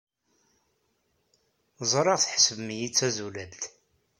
Ẓriɣ tḥesbem-iyi d tazulalt.